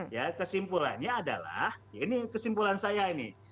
ya kesimpulannya adalah ini kesimpulan saya ini